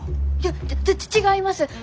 いやち違います！